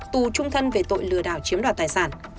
tù trung thân về tội lừa đảo chiếm đoạt tài sản